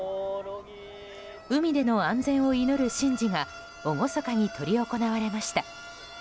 海での安全を祈る神事が厳かに執り行われました。